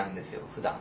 ふだん。